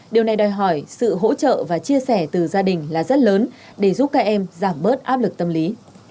điều này đòi hỏi sự hỗ trợ và chia sẻ từ gia đình là rất lớn để giúp các em giảm bớt áp lực tâm lý